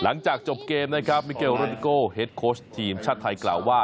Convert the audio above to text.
หลังจากจบเกมนะครับมิเกลโรดิโกเฮดโค้ชทีมชาติไทยกล่าวว่า